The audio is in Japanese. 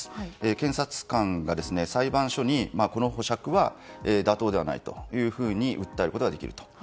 検察官が裁判所にこの保釈は妥当ではないと訴えることができると。